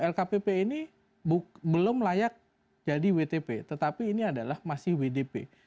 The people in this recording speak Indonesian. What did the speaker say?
lkpp ini belum layak jadi wtp tetapi ini adalah masih wdp